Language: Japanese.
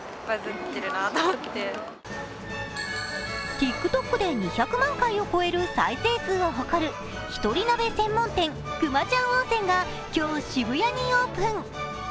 ＴｉｋＴｏｋで２００万回を超える再生数を誇る一人鍋専門店くまちゃん温泉が今日渋谷にオープン。